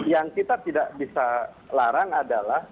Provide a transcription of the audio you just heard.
yang kita tidak bisa larang adalah